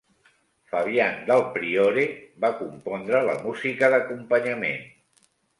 Fabian Del Priore va compondre la música d'acompanyament.